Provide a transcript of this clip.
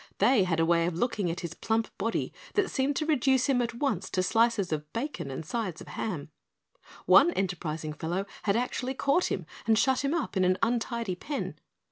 They had a way of looking at his plump body that seemed to reduce him at once to slices of bacon and sides of ham. One enterprising fellow had actually caught him and shut him up in an untidy pen.